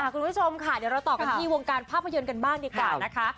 คุณผู้ชมค่ะเดี๋ยวเราต่อกันที่วงการภาพยนตร์กันบ้างดีกว่านะคะ